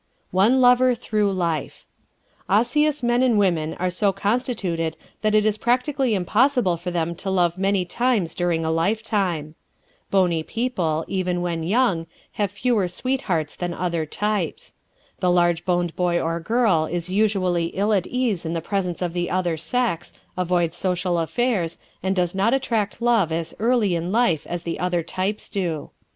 One Lover Through Life ¶ Osseous men and women are so constituted that it is practically impossible for them to love many times during a lifetime. Bony people, even when young, have fewer sweethearts than other types. The large boned boy or girl is usually ill at ease in the presence of the other sex, avoids social affairs, and does not attract love as early in life as other types do.